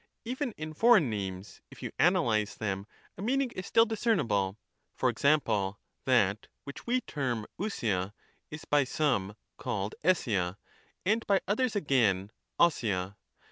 Even in foreign names, if you analyze them, a meaning is still discernible. For example, that which we term ovoia is by some called eaia, and by others again wct/c.